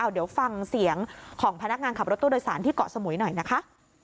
เดี๋ยวฟังเสียงของพนักงานขับรถตู้โดยสารที่เกาะสมุยหน่อยนะคะ